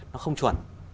nó không chuẩn